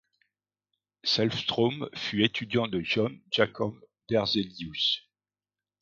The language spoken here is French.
Selfström fut étudiant de Jöns Jacob Berzelius.